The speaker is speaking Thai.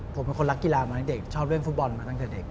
ผมเป็นคนรักกีฬามาให้เด็กชอบเล่นฟุตบอลมาตั้งแต่เด็ก